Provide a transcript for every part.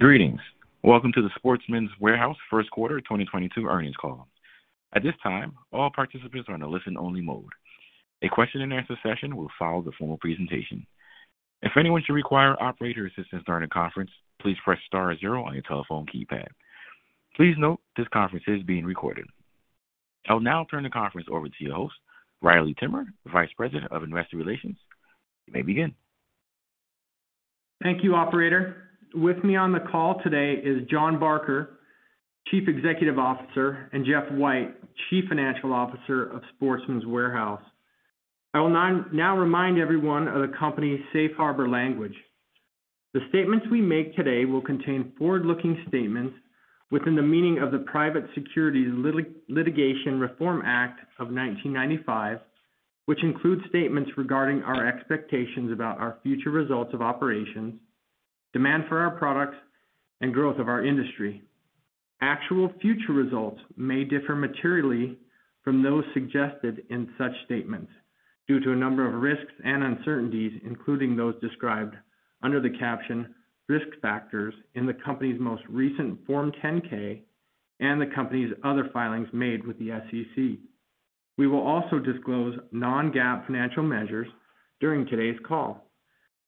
Greetings. Welcome to the Sportsman's Warehouse first quarter 2022 earnings call. At this time, all participants are in a listen only mode. A question and answer session will follow the formal presentation. If anyone should require operator assistance during the conference, please press star zero on your telephone keypad. Please note this conference is being recorded. I'll now turn the conference over to your host, Riley Timmer, Vice President of Investor Relations. You may begin. Thank you, operator. With me on the call today is Jon Barker, Chief Executive Officer, and Jeff White, Chief Financial Officer of Sportsman's Warehouse. I will now remind everyone of the company's safe harbor language. The statements we make today will contain forward-looking statements within the meaning of the Private Securities Litigation Reform Act of 1995, which includes statements regarding our expectations about our future results of operations, demand for our products and growth of our industry. Actual future results may differ materially from those suggested in such statements due to a number of risks and uncertainties, including those described under the caption Risk Factors in the company's most recent Form 10-K and the company's other filings made with the SEC. We will also disclose non-GAAP financial measures during today's call.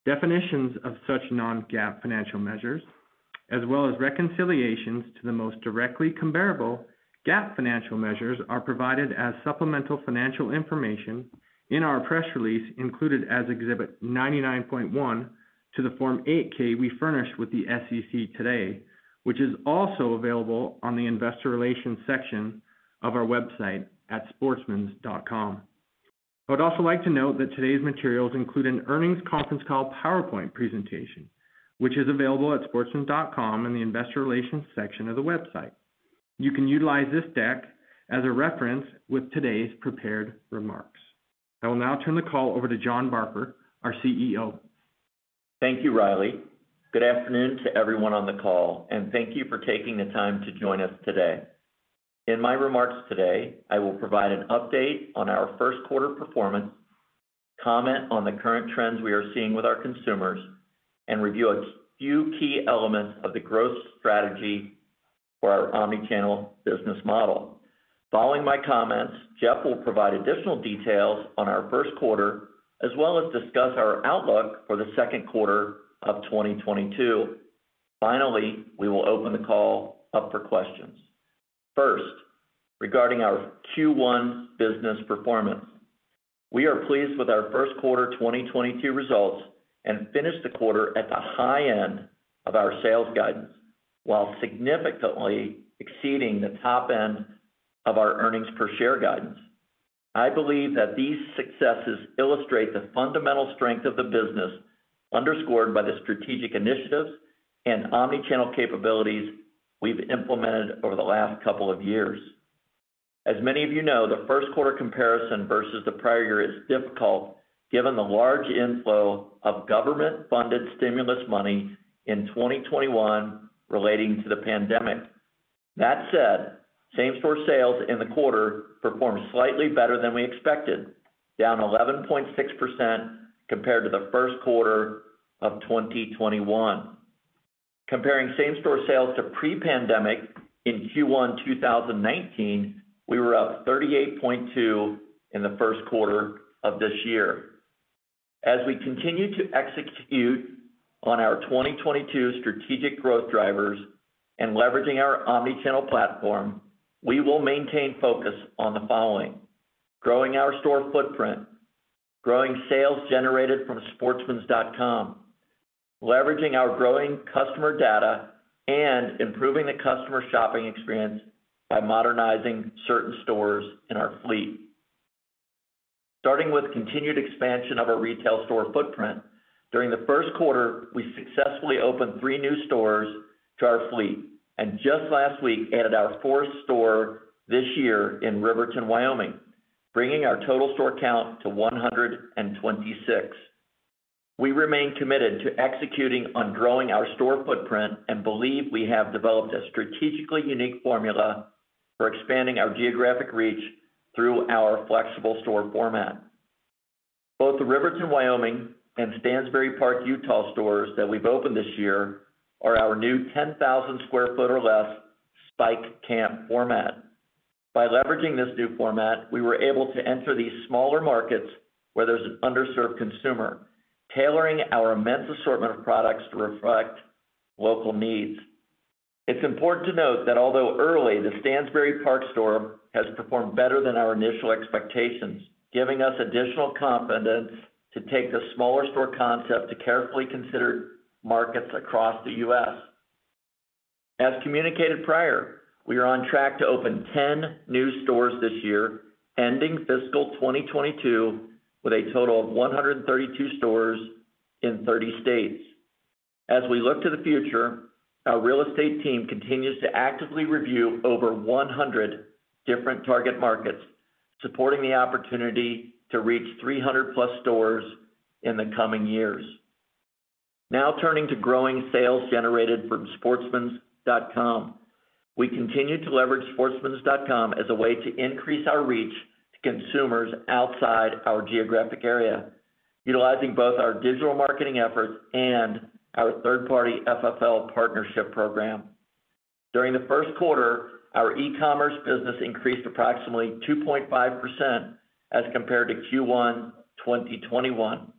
Definitions of such non-GAAP financial measures, as well as reconciliations to the most directly comparable GAAP financial measures are provided as supplemental financial information in our press release included as Exhibit 99.1 to the Form 8-K we furnished with the SEC today, which is also available on the investor relations section of our website at sportsmans.com. I would also like to note that today's materials include an earnings conference call PowerPoint presentation, which is available at sportsmans.com in the investor relations section of the website. You can utilize this deck as a reference with today's prepared remarks. I will now turn the call over to Jon Barker, our CEO. Thank you, Riley. Good afternoon to everyone on the call and thank you for taking the time to join us today. In my remarks today, I will provide an update on our first quarter performance, comment on the current trends we are seeing with our consumers, and review a few key elements of the growth strategy for our omnichannel business model. Following my comments, Jeff will provide additional details on our first quarter as well as discuss our outlook for the second quarter of 2022. Finally, we will open the call up for questions. First, regarding our Q1 business performance. We are pleased with our first quarter 2022 results and finished the quarter at the high end of our sales guidance, while significantly exceeding the top end of our earnings per share guidance. I believe that these successes illustrate the fundamental strength of the business underscored by the strategic initiatives and omnichannel capabilities we've implemented over the last couple of years. As many of you know, the first quarter comparison versus the prior year is difficult given the large inflow of government-funded stimulus money in 2021 relating to the pandemic. That said, same-store sales in the quarter performed slightly better than we expected, down 11.6% compared to the first quarter of 2021. Comparing same-store sales to pre-pandemic in Q1 2019, we were up 38.2% in the first quarter of this year. As we continue to execute on our 2022 strategic growth drivers and leveraging our omnichannel platform, we will maintain focus on the following, growing our store footprint, growing sales generated from sportsmans.com, leveraging our growing customer data, and improving the customer shopping experience by modernizing certain stores in our fleet. Starting with continued expansion of our retail store footprint, during the first quarter, we successfully opened three new stores to our fleet, and just last week added our fourth store this year in Riverton, Wyoming, bringing our total store count to 126. We remain committed to executing on growing our store footprint and believe we have developed a strategically unique formula for expanding our geographic reach through our flexible store format. Both the Riverton, Wyoming, and Stansbury Park, Utah, stores that we've opened this year are our new 10,000 sq ft or less Spike Camp format. By leveraging this new format, we were able to enter these smaller markets where there's an underserved consumer, tailoring our immense assortment of products to reflect local needs. It's important to note that although early, the Stansbury Park store has performed better than our initial expectations, giving us additional confidence to take the smaller store concept to carefully considered markets across the U.S. As communicated prior, we are on track to open 10 new stores this year, ending fiscal 2022 with a total of 132 stores in 30 states. As we look to the future, our real estate team continues to actively review over 100 different target markets, supporting the opportunity to reach 300+ stores in the coming years. Now turning to growing sales generated from sportsmans.com. We continue to leverage sportsmans.com as a way to increase our reach to consumers outside our geographic area, utilizing both our digital marketing efforts and our third-party FFL partnership program. During the first quarter, our e-commerce business increased approximately 2.5% as compared to Q1 2021.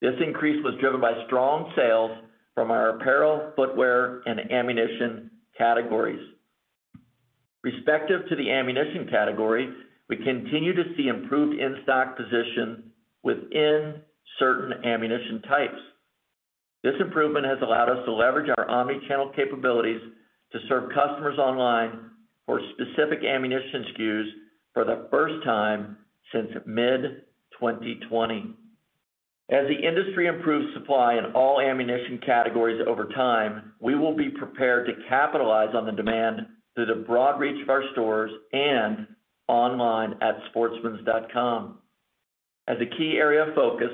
This increase was driven by strong sales from our apparel, footwear, and ammunition categories. With respect to the ammunition category, we continue to see improved in-stock position within certain ammunition types. This improvement has allowed us to leverage our omni-channel capabilities to serve customers online for specific ammunition SKUs for the first time since mid-2020. As the industry improves supply in all ammunition categories over time, we will be prepared to capitalize on the demand through the broad reach of our stores and online at sportsmans.com. As a key area of focus,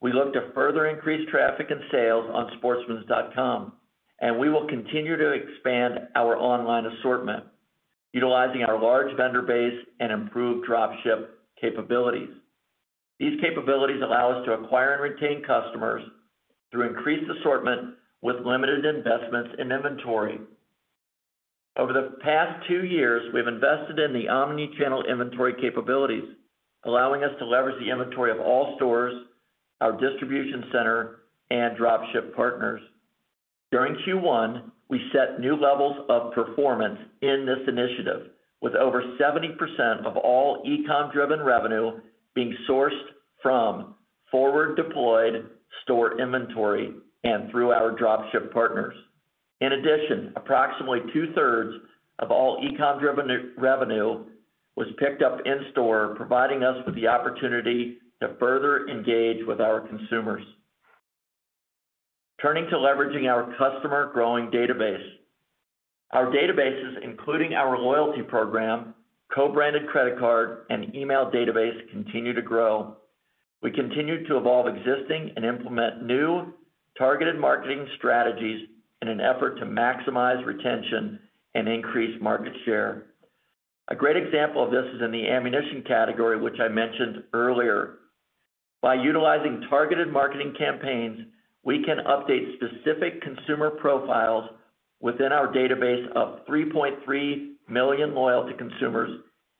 we look to further increase traffic and sales on sportsmans.com, and we will continue to expand our online assortment utilizing our large vendor base and improved drop ship capabilities. These capabilities allow us to acquire and retain customers through increased assortment with limited investments in inventory. Over the past two years, we've invested in the omni-channel inventory capabilities, allowing us to leverage the inventory of all stores, our distribution center, and drop ship partners. During Q1, we set new levels of performance in this initiative, with over 70% of all e-com driven revenue being sourced from forward deployed store inventory and through our drop ship partners. In addition, approximately 2/3 of all e-com driven revenue was picked up in store, providing us with the opportunity to further engage with our consumers. Turning to leveraging our customer growing database. Our databases, including our loyalty program, co-branded credit card, and email database, continue to grow. We continue to evolve existing and implement new targeted marketing strategies in an effort to maximize retention and increase market share. A great example of this is in the ammunition category, which I mentioned earlier. By utilizing targeted marketing campaigns, we can update specific consumer profiles within our database of 3.3 million loyalty consumers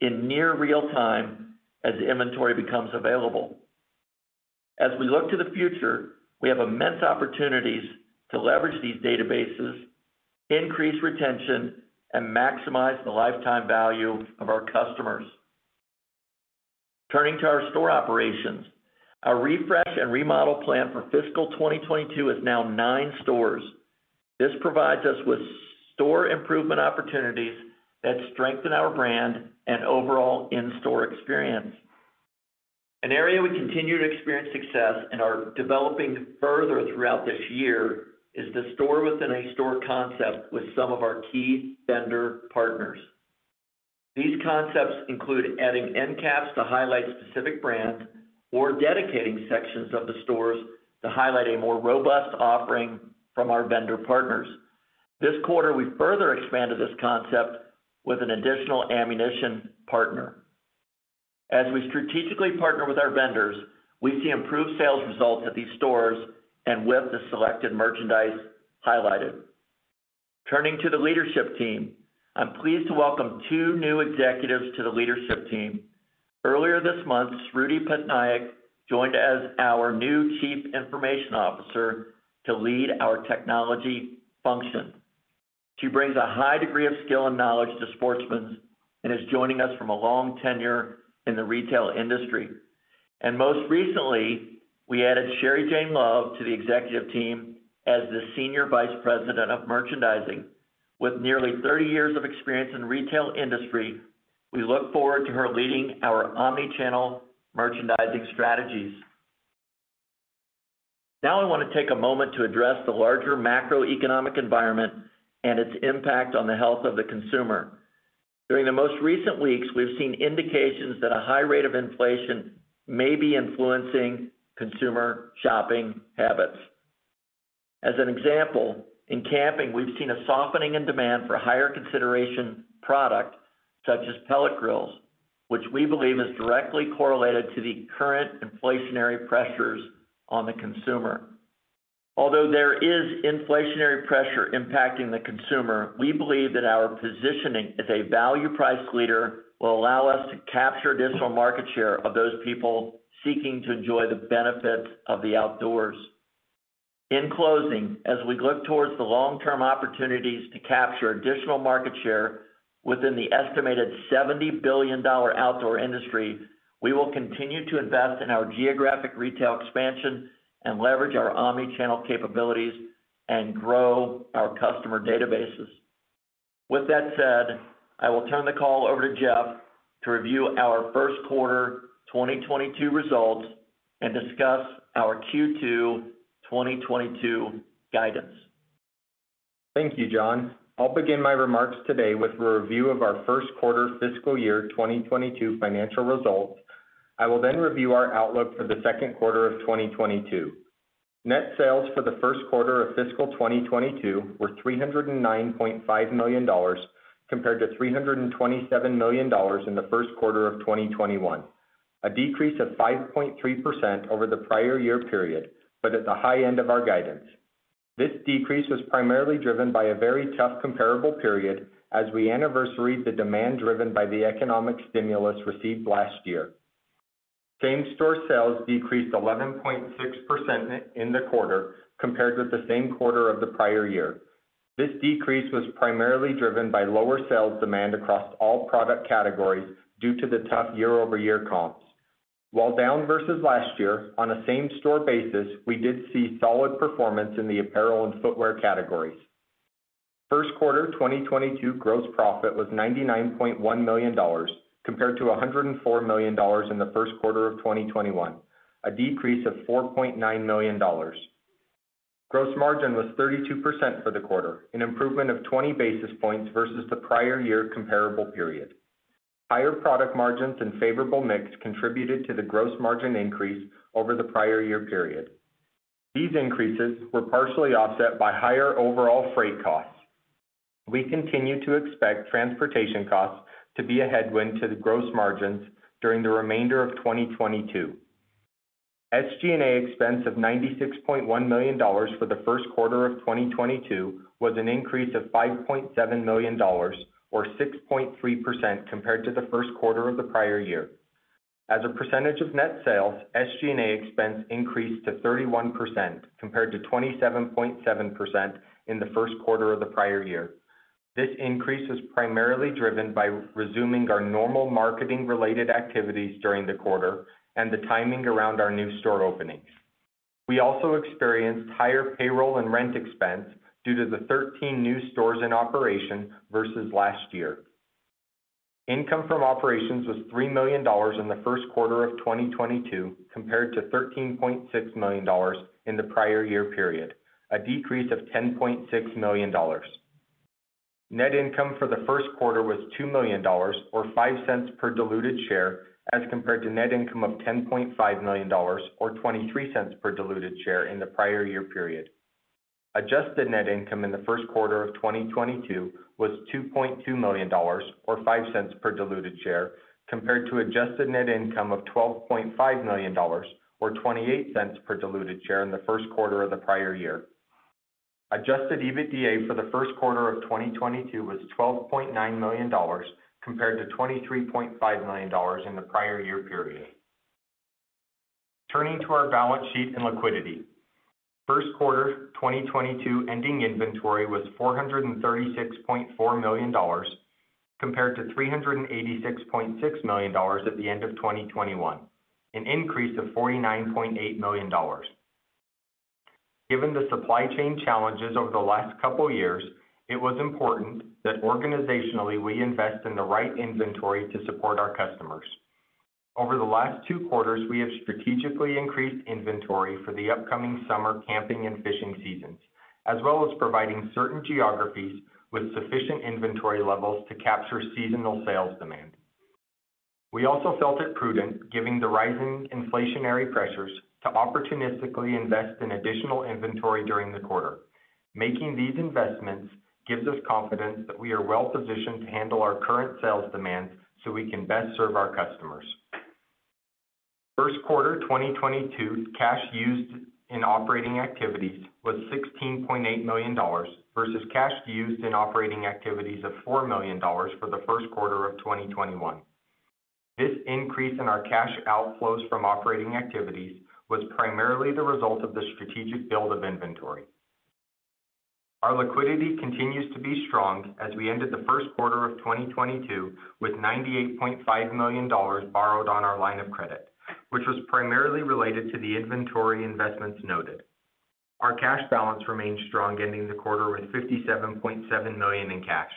in near real time as inventory becomes available. As we look to the future, we have immense opportunities to leverage these databases, increase retention, and maximize the lifetime value of our customers. Turning to our store operations. Our refresh and remodel plan for fiscal 2022 is now nine stores. This provides us with store improvement opportunities that strengthen our brand and overall in-store experience. An area we continue to experience success and are developing further throughout this year is the store within a store concept with some of our key vendor partners. These concepts include adding end caps to highlight specific brands or dedicating sections of the stores to highlight a more robust offering from our vendor partners. This quarter, we further expanded this concept with an additional ammunition partner. As we strategically partner with our vendors, we see improved sales results at these stores and with the selected merchandise highlighted. Turning to the leadership team. I'm pleased to welcome two new executives to the leadership team. Earlier this month, Sruti Patnaik joined as our new Chief Information Officer to lead our technology function. She brings a high degree of skill and knowledge to Sportsman's and is joining us from a long tenure in the retail industry. Most recently, we added Sherry Jane Love to the executive team as the Senior Vice President of Merchandising. With nearly 30 years of experience in retail industry, we look forward to her leading our omni-channel merchandising strategies. Now, I wanna take a moment to address the larger macroeconomic environment and its impact on the health of the consumer. During the most recent weeks, we've seen indications that a high rate of inflation may be influencing consumer shopping habits. As an example, in camping, we've seen a softening in demand for higher consideration product such as pellet grills, which we believe is directly correlated to the current inflationary pressures on the consumer. Although there is inflationary pressure impacting the consumer, we believe that our positioning as a value price leader will allow us to capture additional market share of those people seeking to enjoy the benefits of the outdoors. In closing, as we look towards the long-term opportunities to capture additional market share within the estimated $70 billion outdoor industry, we will continue to invest in our geographic retail expansion and leverage our omni-channel capabilities and grow our customer databases. With that said, I will turn the call over to Jeff to review our first quarter 2022 results and discuss our Q2 2022 guidance. Thank you, Jon. I'll begin my remarks today with a review of our first quarter fiscal year 2022 financial results. I will then review our outlook for the second quarter of 2022. Net sales for the first quarter of fiscal 2022 were $309.5 million compared to $327 million in the first quarter of 2021. A decrease of 5.3% over the prior year period, but at the high end of our guidance. This decrease was primarily driven by a very tough comparable period as we anniversaried the demand driven by the economic stimulus received last year. Same-store sales decreased 11.6% in the quarter compared with the same quarter of the prior year. This decrease was primarily driven by lower sales demand across all product categories due to the tough year-over-year comps. While down versus last year, on a same-store basis, we did see solid performance in the apparel and footwear categories. First quarter 2022 gross profit was $99.1 million, compared to $104 million in the first quarter of 2021, a decrease of $4.9 million. Gross margin was 32% for the quarter, an improvement of 20 basis points versus the prior year comparable period. Higher product margins and favorable mix contributed to the gross margin increase over the prior year period. These increases were partially offset by higher overall freight costs. We continue to expect transportation costs to be a headwind to the gross margins during the remainder of 2022. SG&A expense of $96.1 million for the first quarter of 2022 was an increase of $5.7 million or 6.3% compared to the first quarter of the prior year. As a percentage of net sales, SG&A expense increased to 31% compared to 27.7% in the first quarter of the prior year. This increase was primarily driven by resuming our normal marketing related activities during the quarter and the timing around our new store openings. We also experienced higher payroll and rent expense due to the 13 new stores in operation versus last year. Income from operations was $3 million in the first quarter of 2022 compared to $13.6 million in the prior year period, a decrease of $10.6 million. Net income for the first quarter was $2 million or $0.05 per diluted share as compared to net income of $10.5 million or $0.23 per diluted share in the prior year period. Adjusted net income in the first quarter of 2022 was $2.2 million or $0.05 per diluted share compared to adjusted net income of $12.5 million or $0.28 per diluted share in the first quarter of the prior year. Adjusted EBITDA for the first quarter of 2022 was $12.9 million compared to $23.5 million in the prior year period. Turning to our balance sheet and liquidity. First quarter 2022 ending inventory was $436.4 million compared to $386.6 million at the end of 2021, an increase of $49.8 million. Given the supply chain challenges over the last couple years, it was important that organizationally we invest in the right inventory to support our customers. Over the last two quarters, we have strategically increased inventory for the upcoming summer camping and fishing seasons, as well as providing certain geographies with sufficient inventory levels to capture seasonal sales demand. We also felt it prudent, given the rising inflationary pressures, to opportunistically invest in additional inventory during the quarter. Making these investments gives us confidence that we are well-positioned to handle our current sales demand so we can best serve our customers. First quarter 2022 cash used in operating activities was $16.8 million versus cash used in operating activities of $4 million for the first quarter of 2021. This increase in our cash outflows from operating activities was primarily the result of the strategic build of inventory. Our liquidity continues to be strong as we ended the first quarter of 2022 with $98.5 million borrowed on our line of credit, which was primarily related to the inventory investments noted. Our cash balance remained strong, ending the quarter with $57.7 million in cash.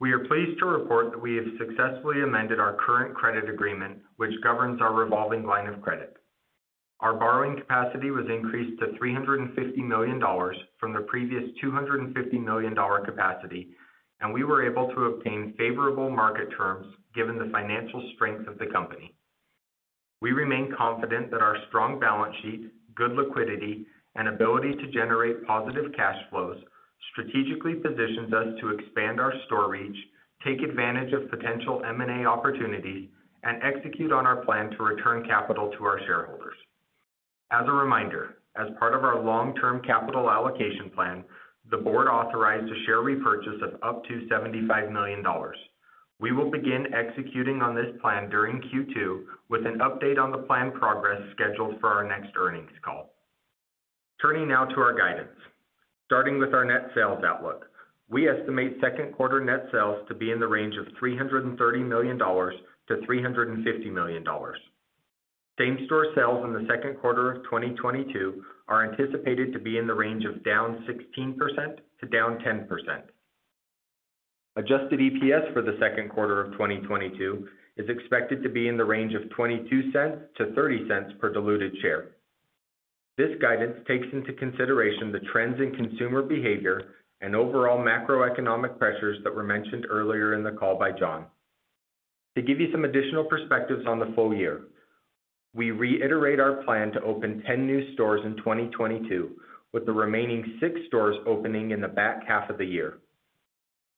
We are pleased to report that we have successfully amended our current credit agreement, which governs our revolving line of credit. Our borrowing capacity was increased to $350 million from the previous $250 million capacity, and we were able to obtain favorable market terms given the financial strength of the company. We remain confident that our strong balance sheet, good liquidity, and ability to generate positive cash flows strategically positions us to expand our store reach, take advantage of potential M&A opportunities, and execute on our plan to return capital to our shareholders. As a reminder, as part of our long-term capital allocation plan, the board authorized a share repurchase of up to $75 million. We will begin executing on this plan during Q2 with an update on the plan progress scheduled for our next earnings call. Turning now to our guidance. Starting with our net sales outlook. We estimate second quarter net sales to be in the range of $330 million-$350 million. Same-store sales in the second quarter of 2022 are anticipated to be in the range of down 16%-10%. Adjusted EPS for the second quarter of 2022 is expected to be in the range of $0.22-$0.30 per diluted share. This guidance takes into consideration the trends in consumer behavior and overall macroeconomic pressures that were mentioned earlier in the call by Jon. To give you some additional perspectives on the full year, we reiterate our plan to open 10 new stores in 2022, with the remaining six stores opening in the back half of the year.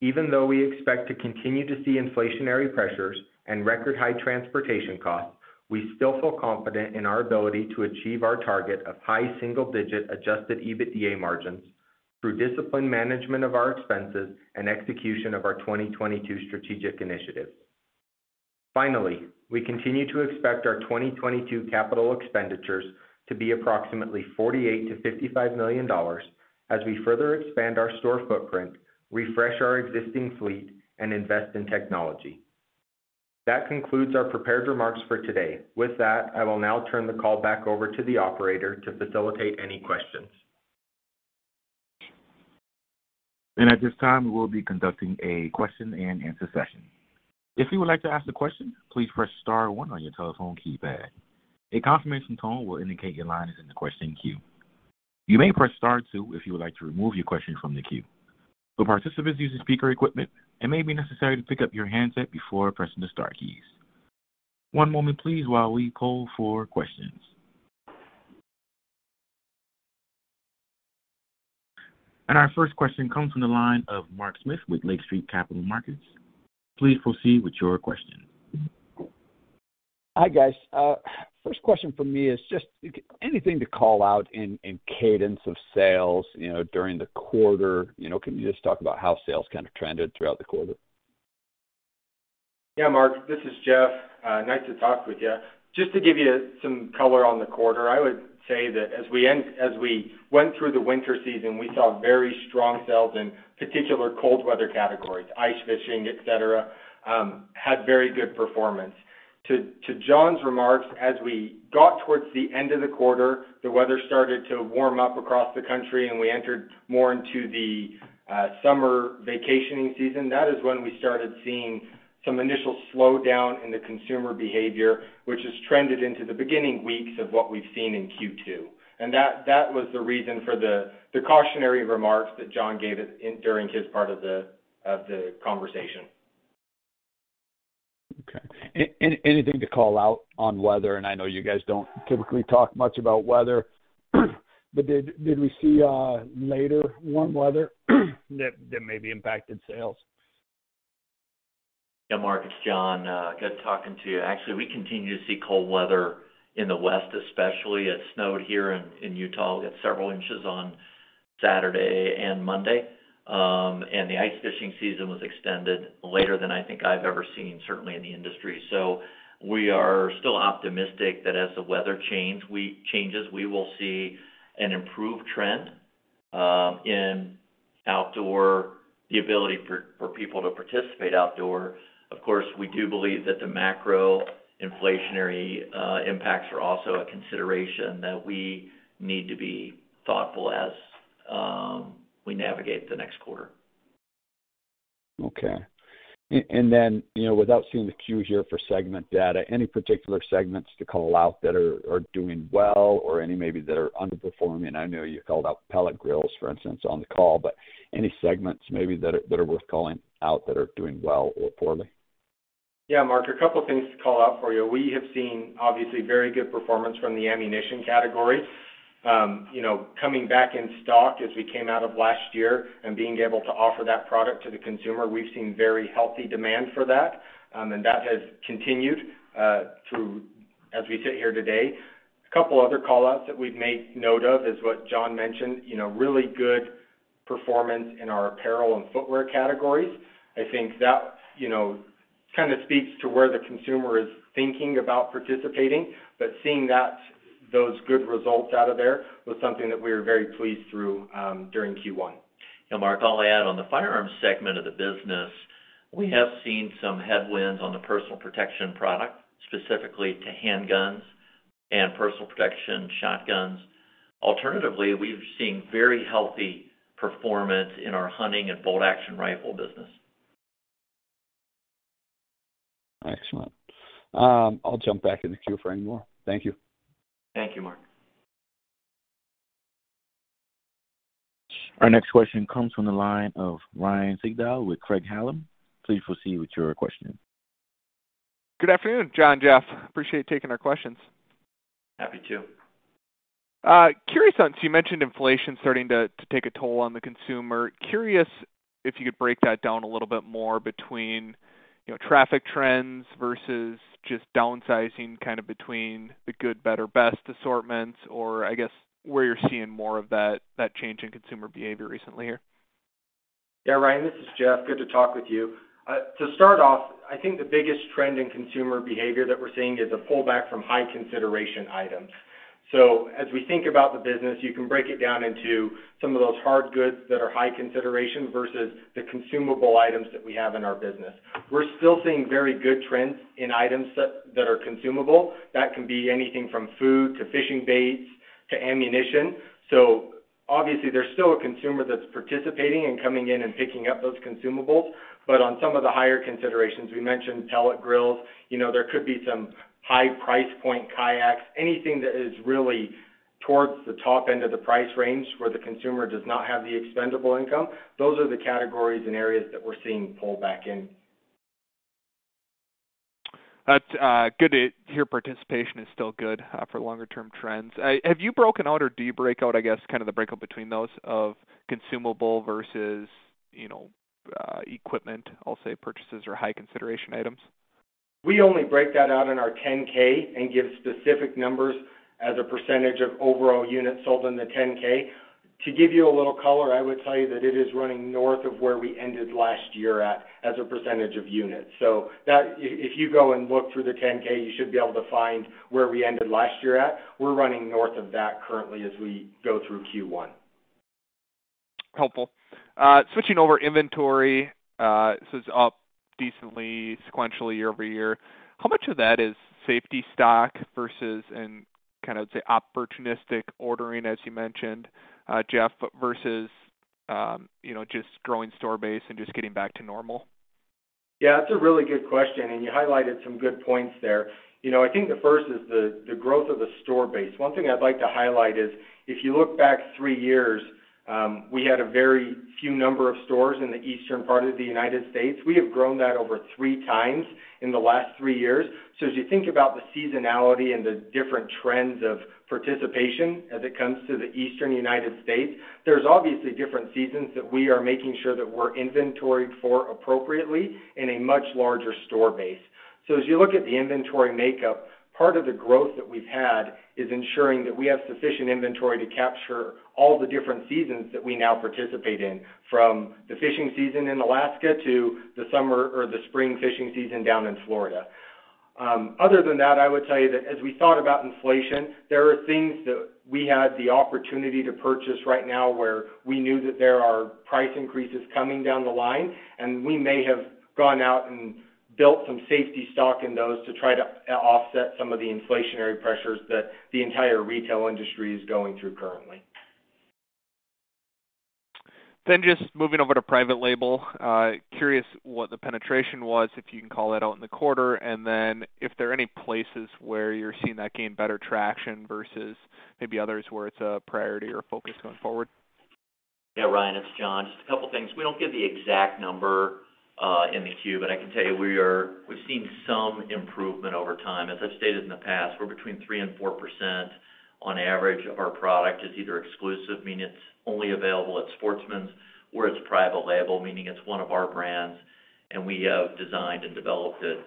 Even though we expect to continue to see inflationary pressures and record high transportation costs, we still feel confident in our ability to achieve our target of high single-digit Adjusted EBITDA margins through disciplined management of our expenses and execution of our 2022 strategic initiatives. Finally, we continue to expect our 2022 capital expenditures to be approximately $48 million-$55 million as we further expand our store footprint, refresh our existing fleet, and invest in technology. That concludes our prepared remarks for today. With that, I will now turn the call back over to the operator to facilitate any questions. At this time, we will be conducting a question and answer session. If you would like to ask a question, please press star one on your telephone keypad. A confirmation tone will indicate your line is in the question queue. You may press star two if you would like to remove your question from the queue. For participants using speaker equipment, it may be necessary to pick up your handset before pressing the star keys. One moment please while we poll for questions. Our first question comes from the line of Mark Smith with Lake Street Capital Markets. Please proceed with your question. Hi, guys. First question from me is just anything to call out in cadence of sales, you know, during the quarter. You know, can you just talk about how sales kind of trended throughout the quarter? Yeah, Mark, this is Jeff. Nice to talk with you. Just to give you some color on the quarter, I would say that as we went through the winter season, we saw very strong sales in particular cold weather categories. Ice fishing, et cetera, had very good performance. To Jon's remarks, as we got towards the end of the quarter, the weather started to warm up across the country and we entered more into the summer vacationing season. That is when we started seeing some initial slowdown in the consumer behavior, which has trended into the beginning weeks of what we've seen in Q2. That was the reason for the cautionary remarks that Jon gave us during his part of the conversation. Okay. Anything to call out on weather? I know you guys don't typically talk much about weather, but did we see later warm weather that maybe impacted sales? Yeah, Mark, it's Jon. Good talking to you. Actually, we continue to see cold weather in the west, especially. It snowed here in Utah. We got several inches on Saturday and Monday. The ice fishing season was extended later than I think I've ever seen, certainly in the industry. We are still optimistic that as the weather changes, we will see an improved trend in outdoor, the ability for people to participate outdoors. Of course, we do believe that the macro inflationary impacts are also a consideration that we need to be thoughtful as we navigate the next quarter. Okay. You know, without seeing the queue here for segment data, any particular segments to call out that are doing well or any maybe that are underperforming? I know you called out pellet grills, for instance, on the call, but any segments maybe that are worth calling out that are doing well or poorly? Yeah. Mark, a couple things to call out for you. We have seen obviously very good performance from the ammunition category. You know, coming back in stock as we came out of last year and being able to offer that product to the consumer, we've seen very healthy demand for that. And that has continued through as we sit here today. A couple other call-outs that we've made note of is what Jon mentioned, you know, really good performance in our apparel and footwear categories. I think that, you know, kind of speaks to where the consumer is thinking about participating. Seeing that those good results out of there was something that we were very pleased through during Q1. Yeah. Mark, I'll add on the firearms segment of the business, we have seen some headwinds on the personal protection product, specifically to handguns and personal protection shotguns. Alternatively, we've seen very healthy performance in our hunting and bolt action rifle business. Excellent. I'll jump back in the queue for any more. Thank you. Thank you, Mark. Our next question comes from the line of Ryan Sigdahl with Craig-Hallum. Please proceed with your question. Good afternoon, Jon, Jeff. Appreciate you taking our questions. Happy to. Curious on, so you mentioned inflation starting to take a toll on the consumer. Curious if you could break that down a little bit more between, you know, traffic trends versus just downsizing kind of between the good, better, best assortments or I guess where you're seeing more of that change in consumer behavior recently here. Yeah. Ryan, this is Jeff. Good to talk with you. To start off, I think the biggest trend in consumer behavior that we're seeing is a pullback from high consideration items. As we think about the business, you can break it down into some of those hard goods that are high consideration versus the consumable items that we have in our business. We're still seeing very good trends in items that are consumable, that can be anything from food to fishing baits to ammunition. Obviously there's still a consumer that's participating and coming in and picking up those consumables. On some of the higher considerations, we mentioned pellet grills. You know, there could be some high price point kayaks. Anything that is really towards the top end of the price range where the consumer does not have the expendable income, those are the categories and areas that we're seeing pull back in. That's good to hear participation is still good for longer term trends. Have you broken out or do you break out, I guess, kind of the breakup between those of consumable versus, you know, equipment, I'll say purchases or high consideration items? We only break that out in our 10-K and give specific numbers as a percentage of overall units sold in the 10-K. To give you a little color, I would tell you that it is running north of where we ended last year at as a percentage of units. That if you go and look through the 10-K, you should be able to find where we ended last year at. We're running north of that currently as we go through Q1. Helpful. Switching over inventory, this is up decently sequentially year-over-year. How much of that is safety stock versus in kinda, say, opportunistic ordering as you mentioned, Jeff, versus, you know, just growing store base and just getting back to normal? Yeah, that's a really good question, and you highlighted some good points there. You know, I think the first is the growth of the store base. One thing I'd like to highlight is if you look back three years, we had a very few number of stores in the eastern part of the United States. We have grown that over three times in the last three years. As you think about the seasonality and the different trends of participation as it comes to the eastern United States, there's obviously different seasons that we are making sure that we're inventoried for appropriately in a much larger store base. As you look at the inventory makeup, part of the growth that we've had is ensuring that we have sufficient inventory to capture all the different seasons that we now participate in, from the fishing season in Alaska to the summer or the spring fishing season down in Florida. Other than that, I would tell you that as we thought about inflation, there are things that we had the opportunity to purchase right now where we knew that there are price increases coming down the line, and we may have gone out and built some safety stock in those to try to offset some of the inflationary pressures that the entire retail industry is going through currently. Just moving over to private label, curious what the penetration was, if you can call that out in the quarter, and then if there are any places where you're seeing that gain better traction versus maybe others where it's a priority or focus going forward. Yeah, Ryan, it's Jon. Just a couple things. We don't give the exact number in the queue, but I can tell you we've seen some improvement over time. As I've stated in the past, we're between 3% and 4% on average of our product. It's either exclusive, meaning it's only available at Sportsman's or it's private label, meaning it's one of our brands and we have designed and developed it.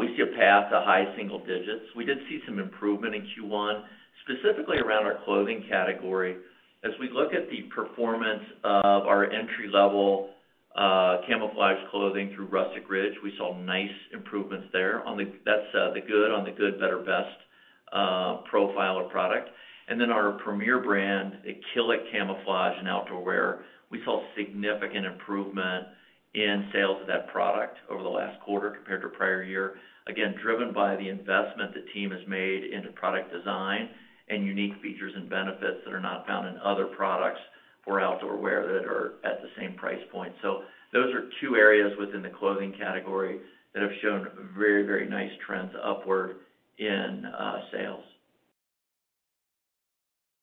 We see a path to high single digits. We did see some improvement in Q1, specifically around our clothing category. As we look at the performance of our entry-level camouflage clothing through Rustic Ridge, we saw nice improvements there. That's the good on the good better best profile or product. Our premier brand, Killik camouflage and outdoor wear, we saw significant improvement in sales of that product over the last quarter compared to prior year, again, driven by the investment the team has made into product design and unique features and benefits that are not found in other products for outdoor wear that are at the same price point. Those are two areas within the clothing category that have shown very, very nice trends upward in sales.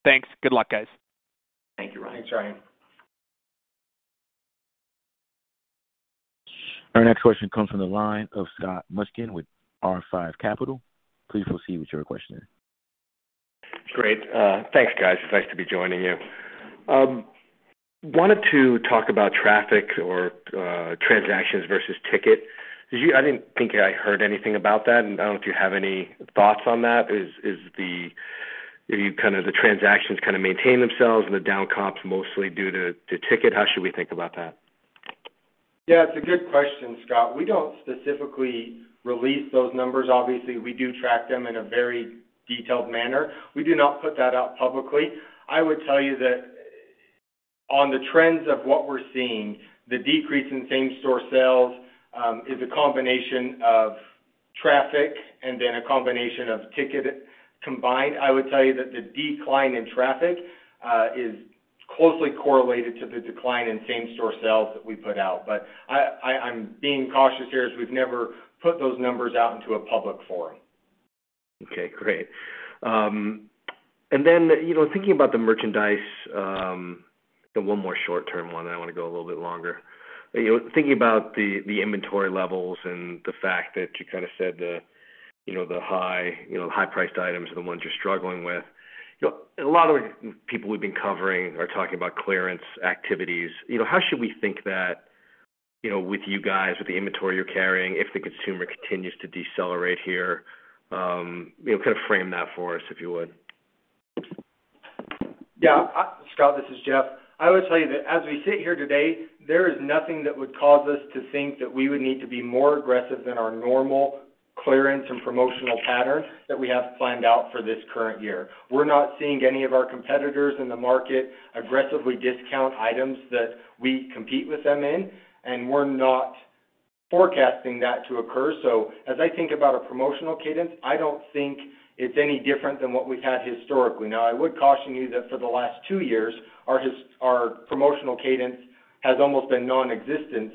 Thanks. Good luck, guys. Thank you, Ryan. Thanks, Ryan. Our next question comes from the line of Scott Mushkin with R5 Capital. Please proceed with your question. Great. Thanks, guys. It's nice to be joining you. Wanted to talk about traffic or transactions versus ticket. I didn't think I heard anything about that, and I don't know if you have any thoughts on that. If the transactions kinda maintain themselves and the down comps mostly due to ticket, how should we think about that? Yeah, it's a good question, Scott. We don't specifically release those numbers. Obviously, we do track them in a very detailed manner. We do not put that out publicly. I would tell you that on the trends of what we're seeing, the decrease in same-store sales is a combination of traffic and then a combination of ticket combined. I would tell you that the decline in traffic is closely correlated to the decline in same-store sales that we put out. I'm being cautious here as we've never put those numbers out into a public forum. Okay, great. Then, you know, thinking about the merchandise, one more short-term one, and I wanna go a little bit longer. You know, thinking about the inventory levels and the fact that you kinda said the high, you know, high-priced items are the ones you're struggling with. You know, a lot of people we've been covering are talking about clearance activities. You know, how should we think that, you know, with you guys, with the inventory you're carrying, if the consumer continues to decelerate here? You know, kind of frame that for us, if you would. Yeah, Scott, this is Jeff. I would tell you that as we sit here today, there is nothing that would cause us to think that we would need to be more aggressive than our normal clearance and promotional pattern that we have planned out for this current year. We're not seeing any of our competitors in the market aggressively discount items that we compete with them in, and we're not forecasting that to occur. As I think about a promotional cadence, I don't think it's any different than what we've had historically. Now, I would caution. You know that for the last two years, our promotional cadence has almost been nonexistent.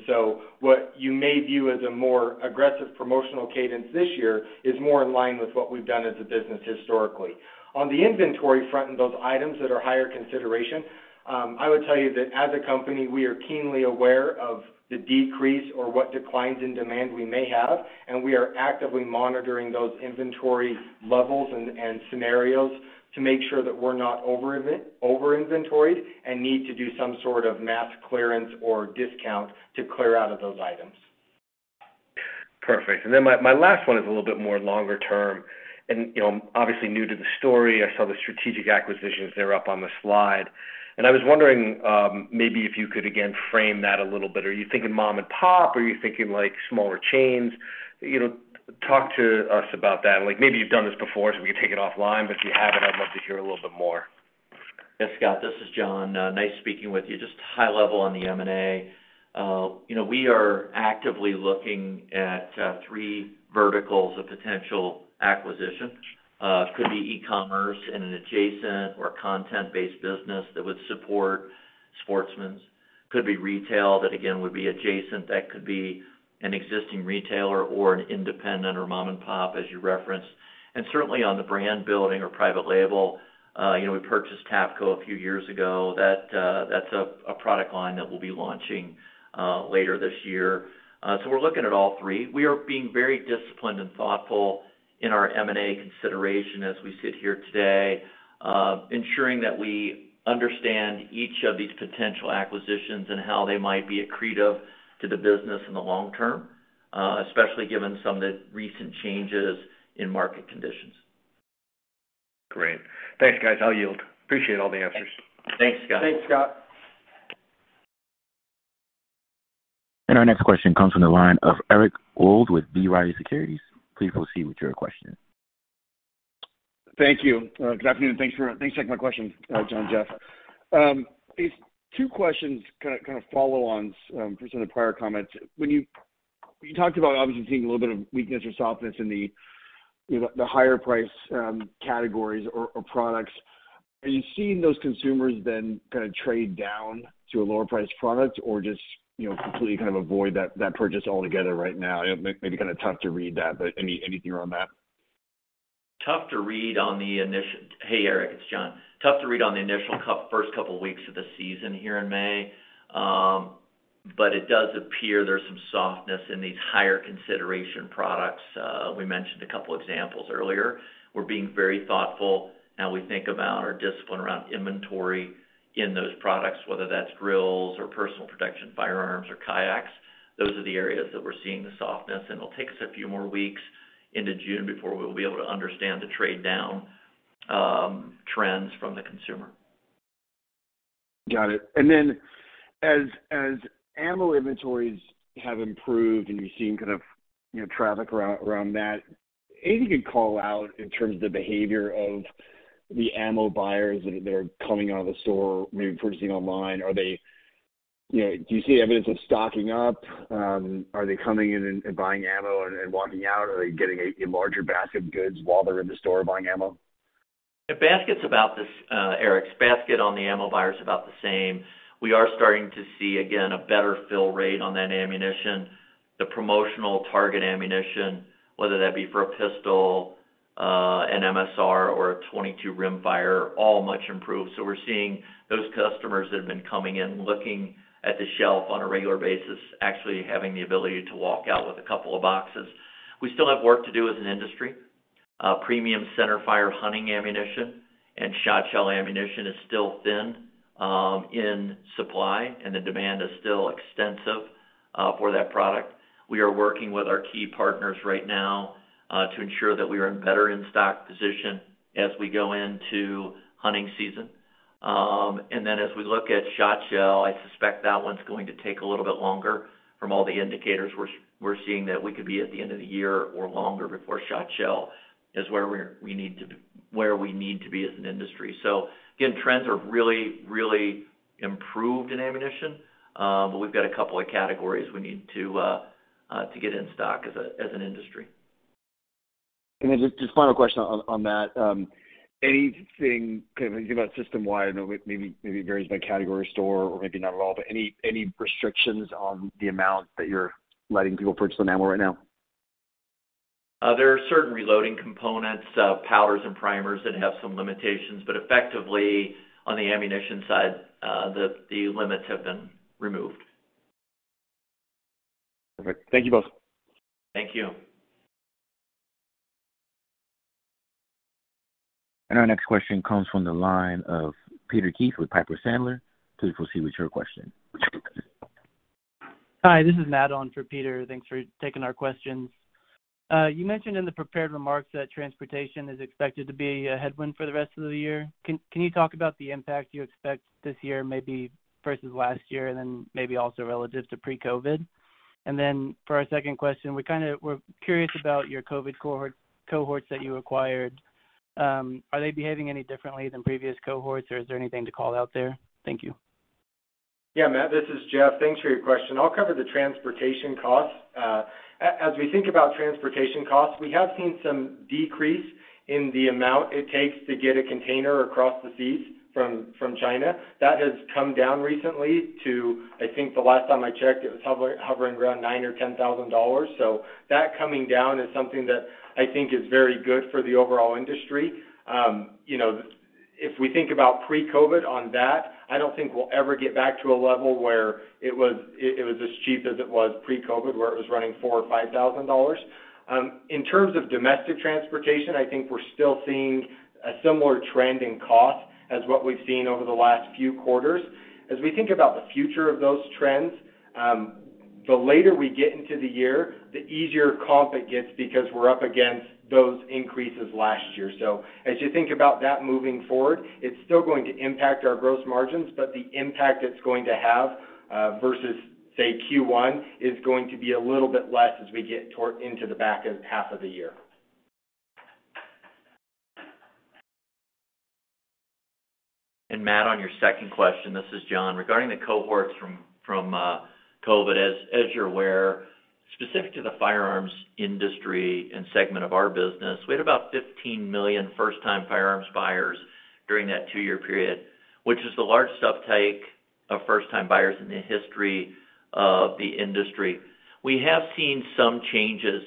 What you may view as a more aggressive promotional cadence this year is more in line with what we've done as a business historically. On the inventory front and those items that are higher consideration, I would tell you that as a company, we are keenly aware of the decrease or the declines in demand we may have, and we are actively monitoring those inventory levels and scenarios to make sure that we're not over-inventoried and need to do some sort of mass clearance or discount to clear out of those items. Perfect. Then my last one is a little bit more longer term and, you know, obviously new to the story. I saw the strategic acquisitions there up on the slide. I was wondering, maybe if you could again frame that a little bit. Are you thinking mom and pop? Are you thinking, like, smaller chains? You know, talk to us about that. Like, maybe you've done this before, so we can take it offline, but if you haven't, I'd love to hear a little bit more. Yes, Scott, this is Jon. Nice speaking with you. Just high level on the M&A. You know, we are actively looking at three verticals of potential acquisition. Could be e-commerce in an adjacent or content-based business that would support Sportsman's. Could be retail that again would be adjacent, that could be an existing retailer or an independent or mom and pop, as you referenced. Certainly on the brand building or private label, you know, we purchased TAPCO a few years ago that that's a product line that we'll be launching later this year. We're looking at all three. We are being very disciplined and thoughtful in our M&A consideration as we sit here today, ensuring that we understand each of these potential acquisitions and how they might be accretive to the business in the long term, especially given some of the recent changes in market conditions. Great. Thanks, guys. I'll yield. Appreciate all the answers. Thanks, Scott. Thanks, Scott. Our next question comes from the line of Eric Wold with B. Riley Securities. Please proceed with your question. Thank you. Good afternoon. Thanks for taking my question, Jon and Jeff. These two questions kinda follow on from some of the prior comments. When you talked about obviously seeing a little bit of weakness or softness in the you know the higher priced categories or products, are you seeing those consumers then kind of trade down to a lower priced product or just you know completely kind of avoid that purchase altogether right now? It may be kind of tough to read that, but anything around that? Hey, Eric, it's Jon. Tough to read on the initial couple weeks of the season here in May, but it does appear there's some softness in these higher consideration products. We mentioned a couple examples earlier. We're being very thoughtful how we think about our discipline around inventory in those products, whether that's grills or personal protection firearms or kayaks. Those are the areas that we're seeing the softness. It'll take us a few more weeks into June before we'll be able to understand the trade down trends from the consumer. Got it. Then as ammo inventories have improved and you've seen kind of, you know, traffic around that, anything you can call out in terms of the behavior of the ammo buyers that are coming out of the store, maybe purchasing online. Are they. You know, do you see evidence of stocking up? Are they coming in and buying ammo and walking out? Are they getting a larger basket of goods while they're in the store buying ammo? Eric, basket on the ammo buyer is about the same. We are starting to see, again, a better fill rate on that ammunition. The promotional target ammunition, whether that be for a pistol, an MSR or a 22 rimfire, all much improved. We're seeing those customers that have been coming in, looking at the shelf on a regular basis, actually having the ability to walk out with a couple of boxes. We still have work to do as an industry. Premium centerfire hunting ammunition and shotshell ammunition is still thin in supply, and the demand is still extensive for that product. We are working with our key partners right now to ensure that we are in better in-stock position as we go into hunting season. As we look at shotshell, I suspect that one's going to take a little bit longer. From all the indicators we're seeing that we could be at the end of the year or longer before shotshell is where we need to be as an industry. Again, trends have really, really improved in ammunition. We've got a couple of categories we need to get in stock as an industry. Just final question on that. Anything kind of about system-wide, I know it maybe varies by category or store or maybe not at all, but any restrictions on the amount that you're letting people purchase of ammo right now? There are certain reloading components, powders and primers that have some limitations. Effectively, on the ammunition side, the limits have been removed. Perfect. Thank you both. Thank you. Our next question comes from the line of Peter Keith with Piper Sandler. Please proceed with your question. Hi, this is Matt on for Peter. Thanks for taking our questions. You mentioned in the prepared remarks that transportation is expected to be a headwind for the rest of the year. Can you talk about the impact you expect this year maybe versus last year and then maybe also relative to pre-COVID? For our second question, we're curious about your COVID cohorts that you acquired. Are they behaving any differently than previous cohorts, or is there anything to call out there? Thank you. Yeah, Matt, this is Jeff. Thanks for your question. I'll cover the transportation costs. As we think about transportation costs, we have seen some decrease in the amount it takes to get a container across the seas from China. That has come down recently to I think the last time I checked, it was hovering around $9,000-$10,000. So that coming down is something that I think is very good for the overall industry. You know, if we think about pre-COVID on that, I don't think we'll ever get back to a level where it was as cheap as it was pre-COVID, where it was running $4,000 or $5,000. In terms of domestic transportation, I think we're still seeing a similar trend in cost as what we've seen over the last few quarters. As we think about the future of those trends, the later we get into the year, the easier the comps get because we're up against those increases last year. As you think about that moving forward, it's still going to impact our gross margins, but the impact it's going to have, versus, say, Q1, is going to be a little bit less as we get towards the back half of the year. Matt, on your second question, this is Jon. Regarding the cohorts from COVID, as you're aware, specific to the firearms industry and segment of our business, we had about 15 million first-time firearms buyers during that two-year period, which is the largest uptake of first-time buyers in the history of the industry. We have seen some changes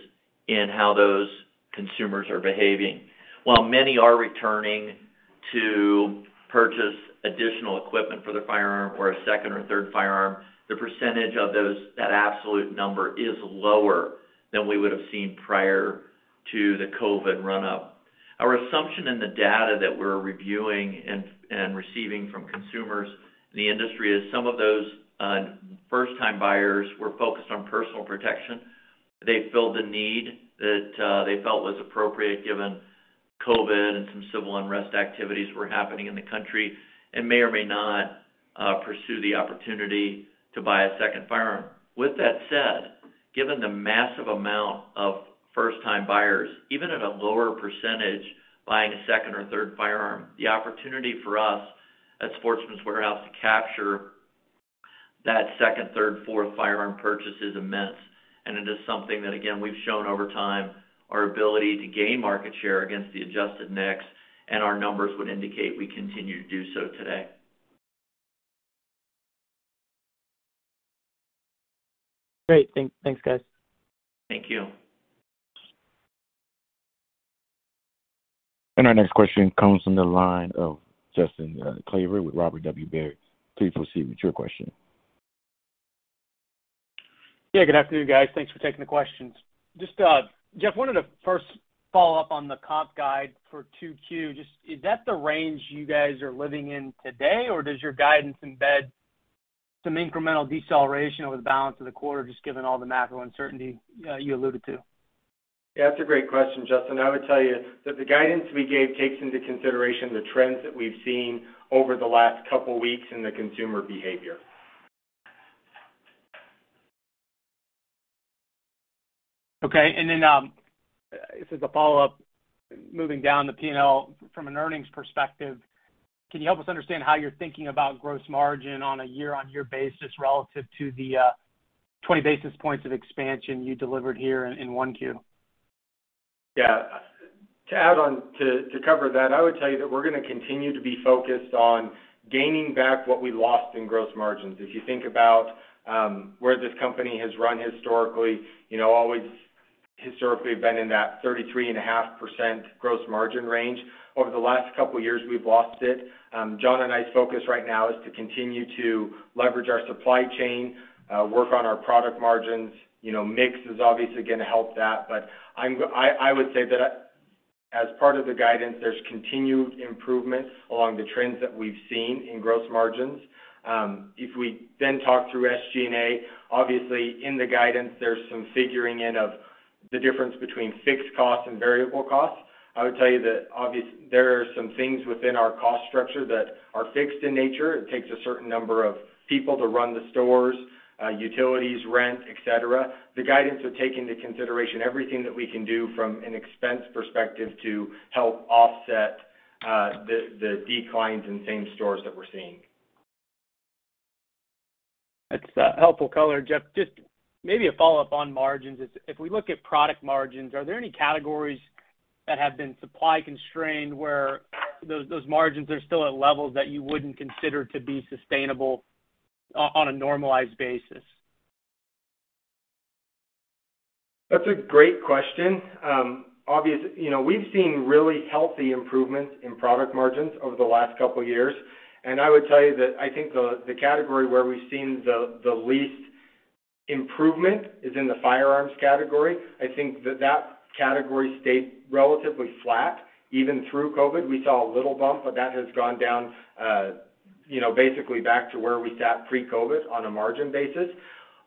in how those consumers are behaving. While many are returning to purchase additional equipment for their firearm or a second or third firearm, the percentage of those, that absolute number is lower than we would have seen prior to the COVID run-up. Our assumption in the data that we're reviewing and receiving from consumers in the industry is some of those first-time buyers were focused on personal protection. They filled a need that, they felt was appropriate given COVID and some civil unrest activities were happening in the country and may or may not pursue the opportunity to buy a second firearm. With that said, given the massive amount of first-time buyers, even at a lower percentage buying a second or third firearm, the opportunity for us at Sportsman's Warehouse to capture that second, third, fourth firearm purchase is immense, and it is something that, again, we've shown over time our ability to gain market share against the adjusted mix, and our numbers would indicate we continue to do so today. Great. Thanks, guys. Thank you. Our next question comes from the line of Justin Kleber with Robert W. Baird. Please proceed with your question. Yeah. Good afternoon, guys. Thanks for taking the questions. Just, Jeff, wanted to first follow up on the comp guide for 2Q. Just is that the range you guys are living in today, or does your guidance embed some incremental deceleration over the balance of the quarter, just given all the macro uncertainty, you alluded to? Yeah, that's a great question, Justin. I would tell you that the guidance we gave takes into consideration the trends that we've seen over the last couple weeks in the consumer behavior. Okay. This is a follow-up, moving down the P&L from an earnings perspective, can you help us understand how you're thinking about gross margin on a year-on-year basis relative to the 20 basis points of expansion you delivered here in 1Q? Yeah. To add on to cover that, I would tell you that we're gonna continue to be focused on gaining back what we lost in gross margins. If you think about where this company has run historically, you know, always historically been in that 33.5% gross margin range. Over the last couple years, we've lost it. Jon and I's focus right now is to continue to leverage our supply chain, work on our product margins. You know, mix is obviously gonna help that, but I would say that as part of the guidance, there's continued improvements along the trends that we've seen in gross margins. If we then talk through SG&A, obviously in the guidance, there's some figuring in of the difference between fixed costs and variable costs. I would tell you that there are some things within our cost structure that are fixed in nature. It takes a certain number of people to run the stores, utilities, rent, et cetera. The guidance will take into consideration everything that we can do from an expense perspective to help offset the declines in same stores that we're seeing. That's helpful color, Jeff. Just maybe a follow-up on margins. If we look at product margins, are there any categories that have been supply constrained where those margins are still at levels that you wouldn't consider to be sustainable on a normalized basis? That's a great question. You know, we've seen really healthy improvements in product margins over the last couple years, and I would tell you that I think the category where we've seen the least improvement is in the firearms category. I think that category stayed relatively flat even through COVID. We saw a little bump, but that has gone down, you know, basically back to where we sat pre-COVID on a margin basis.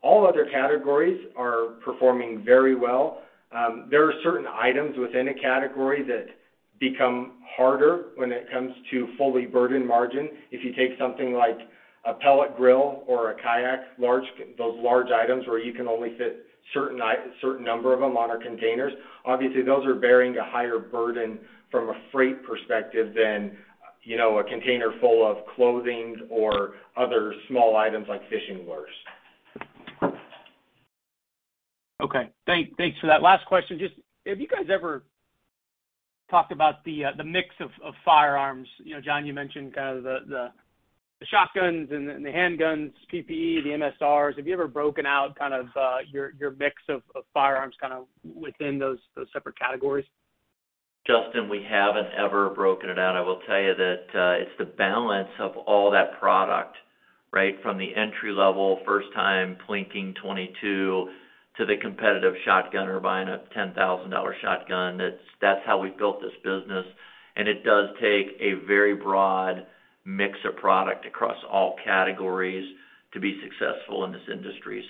All other categories are performing very well. There are certain items within a category that become harder when it comes to fully burdened margin. If you take something like a pellet grill or a kayak, those large items where you can only fit certain number of them on our containers, obviously, those are bearing a higher burden from a freight perspective than, you know, a container full of clothing or other small items like fishing lures. Okay. Thanks for that. Last question, just have you guys ever talked about the mix of firearms? You know, Jon, you mentioned kind of the shotguns and the handguns, PP, the MSRs. Have you ever broken out kind of your mix of firearms kind of within those separate categories? Justin, we haven't ever broken it out. I will tell you that, it's the balance of all that product, right? From the entry-level, first-time plinking 22 to the competitive shotgunner buying a $10,000 shotgun. That's how we've built this business, and it does take a very broad mix of product across all categories to be successful in this industry.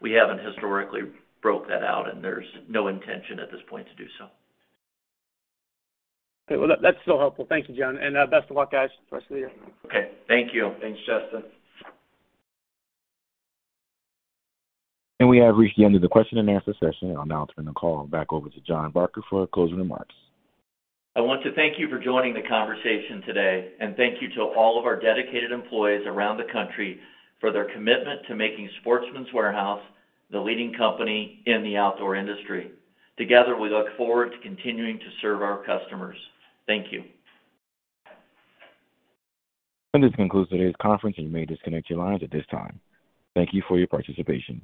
We haven't historically broke that out, and there's no intention at this point to do so. Okay. Well, that's still helpful. Thank you, Jon. Best of luck, guys, rest of the year. Okay. Thank you. Thanks, Justin. We have reached the end of the question and answer session. I'll now turn the call back over to Jon Barker for closing remarks. I want to thank you for joining the conversation today, and thank you to all of our dedicated employees around the country for their commitment to making Sportsman's Warehouse the leading company in the outdoor industry. Together, we look forward to continuing to serve our customers. Thank you. This concludes today's conference, and you may disconnect your lines at this time. Thank you for your participation.